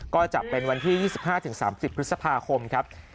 ก็จะเป็นวันที่๒๕๓๐พฤษภาคมครับ